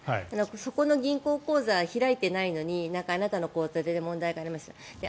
そこの銀行口座、開いてないのにあなたの口座で問題がありましたって。